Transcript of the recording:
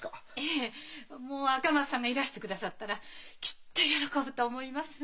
ええもう赤松さんがいらしてくださったらきっと喜ぶと思いますわ。